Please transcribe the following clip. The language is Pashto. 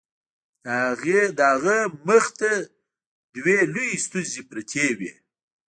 د هغه مخې ته دوې لويې ستونزې پرتې وې.